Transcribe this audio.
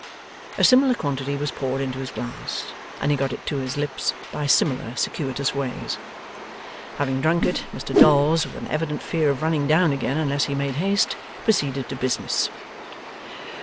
A similar quantity was poured into his glass, and he got it to his lips by similar circuitous ways. Having drunk it, Mr Dolls, with an evident fear of running down again unless he made haste, proceeded to business.